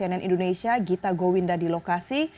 cnn indonesia gita gowinda di lokasi